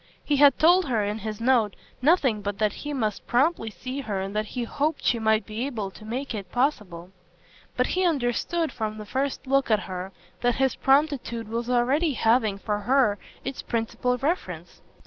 He had told her in his note nothing but that he must promptly see her and that he hoped she might be able to make it possible; but he understood from the first look at her that his promptitude was already having for her its principal reference.